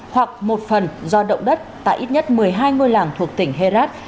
hoặc một phần do động đất tại ít nhất một mươi hai ngôi làng thuộc tỉnh herat